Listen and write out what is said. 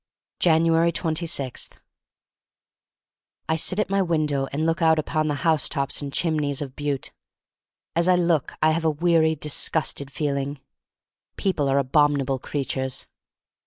5anuari? 20* I SIT at my window and look out upon the housetops and chimneys of Butte. As I look I have a weary, disgusted feeling. People are abominable creatures.